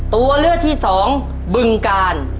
ตัวเลือกที่สองบึงกาล